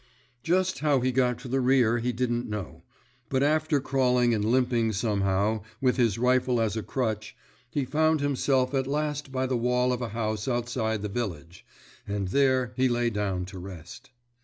Just how he got to the rear he didn't know, but after crawling and limping somehow, with his rifle as a crutch, he found himself at last by the wall of a house outside the village, and there he lay down to rest.